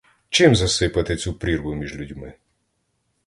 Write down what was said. Чим засипати цю прірву між людьми?